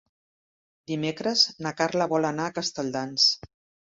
Dimecres na Carla vol anar a Castelldans.